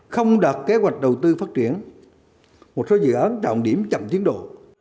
không đạt kế hoạch đầu tư phát triển một số dự án trọng điểm chậm tiến độ